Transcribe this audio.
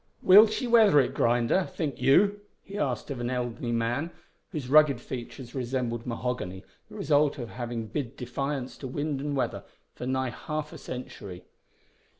"Will she weather it, Grinder, think you?" he asked of an elderly man, whose rugged features resembled mahogany, the result of having bid defiance to wind and weather for nigh half a century.